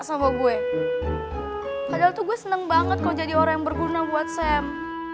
sama gue padahal tuh gue seneng banget kalau jadi orang yang berguna buat sam